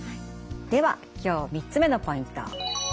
では今日３つ目のポイント。